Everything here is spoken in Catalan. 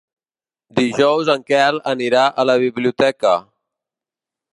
Dijous en Quel anirà a la biblioteca.